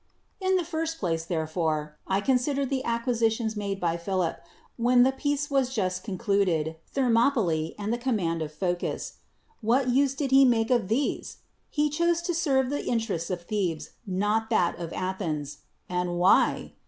In the first place, therefore, I consider the acquisitions made by Philip, w^hen the peace was just concluded, Thermopylae, and the com mand of Phocis. What use did he make of these? He chose to serve the interest of Thebes, not that of Athens. And why?